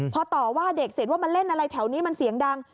พอต่อว่าเด็กเสร็จว่ามาเล่นอะไรแถวนี้มันเสียงดัง